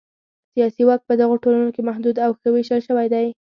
سیاسي واک په دغو ټولنو کې محدود او ښه وېشل شوی دی.